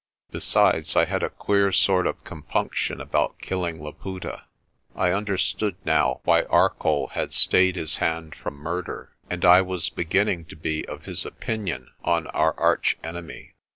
Besides, I had a queer sort of compunction about killing Laputa. I understood now why Arcoll had stayed his hand from murder, and I was beginning to be of his opinion on our arch enemy.